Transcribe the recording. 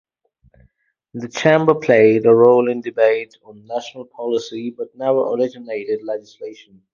The Chamber played a role in debate on national policy but never originated legislation.